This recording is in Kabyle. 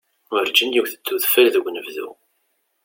Urǧin yewwet-d udfel deg unebdu.